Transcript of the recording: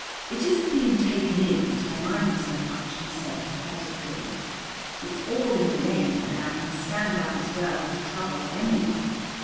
"It isn't being taken in that I mind so much," he said pathetically. "It's all in the game, and I can stand up as well under trouble as any one.